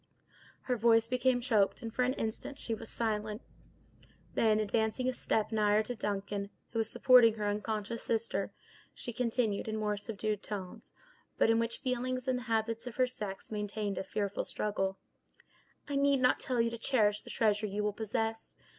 Her voice became choked, and, for an instant, she was silent; then, advancing a step nigher to Duncan, who was supporting her unconscious sister, she continued, in more subdued tones, but in which feeling and the habits of her sex maintained a fearful struggle: "I need not tell you to cherish the treasure you will possess.